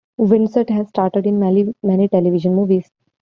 Windust has starred in many television movies.